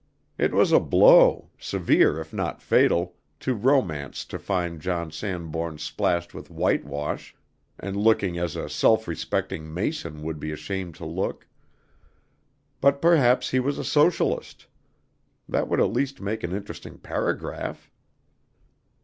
It was a blow severe if not fatal to romance to find John Sanbourne splashed with whitewash and looking as a self respecting mason would be ashamed to look. But perhaps he was a socialist. That would at least make an interesting paragraph.